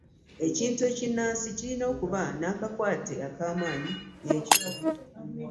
Ekintu ekinnansi, kirina okuba n’akakwate ak’amanyi n’ekifo.